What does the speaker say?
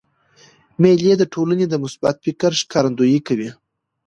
مېلې د ټولني د مثبت فکر ښکارندویي کوي.